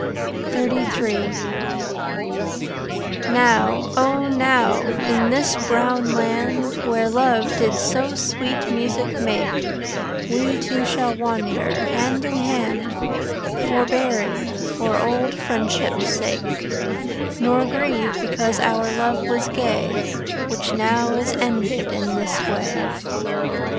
XXXIII Now, O now, in this brown land Where Love did so sweet music make We two shall wander, hand in hand, Forbearing for old friendship' sake, Nor grieve because our love was gay Which now is ended in this way.